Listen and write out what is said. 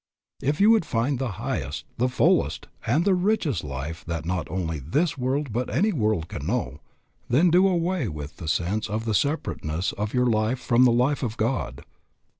If you would find the highest, the fullest, and the richest life that not only this world but that any world can know, then do away with the sense of the separateness of your life from the life of God.